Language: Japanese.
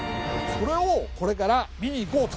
それをこれから見に行こうと。